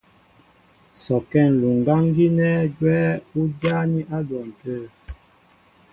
Sɔkɛ́ ǹluŋgáŋ gínɛ́ gwɛ́ ú jáání á dwɔn tə̂.